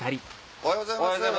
おはようございます。